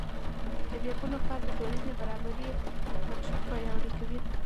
د میرمنو کار د ټولنې برابرۍ بنسټ پیاوړی کوي.